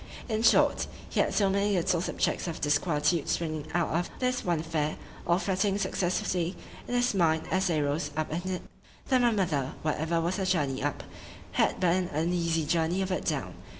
In short, he had so many little subjects of disquietude springing out of this one affair, all fretting successively in his mind as they rose up in it, that my mother, whatever was her journey up, had but an uneasy journey of it down.